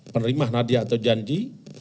penerimaan hadiah atau janji